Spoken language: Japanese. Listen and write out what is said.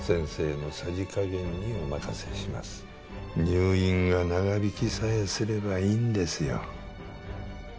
入院が長引きさえすればいいんですよ。